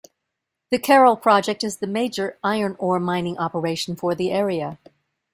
The Carol Project is the major iron ore mining operation for the area.